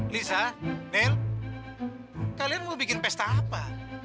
lisa dan kalian mau bikin pesta apa